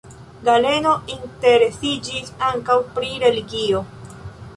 Galeno interesiĝis ankaŭ pri religio.